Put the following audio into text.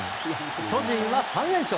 巨人は３連勝。